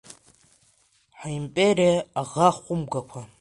Ҳимпериа аӷа хәымгақәа!